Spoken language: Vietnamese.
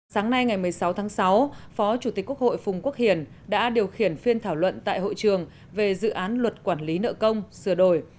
sáng nay ngày một mươi sáu tháng sáu phó chủ tịch quốc hội phùng quốc hiền đã điều khiển phiên thảo luận tại hội trường về dự án luật quản lý nợ công sửa đổi